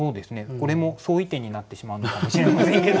これも相違点になってしまうのかもしれませんけど。